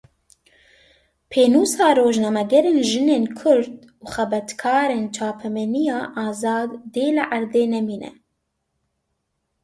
Pênûsa rojnamegerên jin ên Kurd û xebatkarên çapemeniya azad dê li erdê nemîne